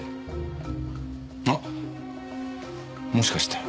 あっもしかして。